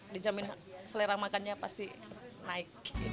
dijamin selera makannya pasti naik